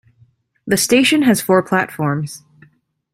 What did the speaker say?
The station has four platforms.